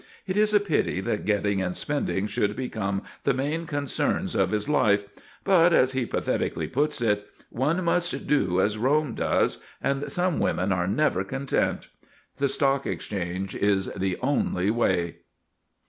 It is a pity that getting and spending should become the main concerns of his life; but, as he pathetically puts it, "One must do as Rome does, and some women are never content." The Stock Exchange is the only way.